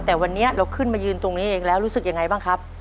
แต่วันนี้เราขึ้นมายืนตรงนี้เองแล้วรู้สึกยังไงบ้างครับ